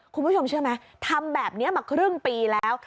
คุณผู้ชมเชื่อไหมทำแบบนี้มาครึ่งปีแล้ว